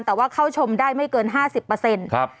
แต่ว่าเข้าชมได้ไม่เกิน๕๐ครับ